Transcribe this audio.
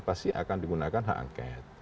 pasti akan digunakan hak angket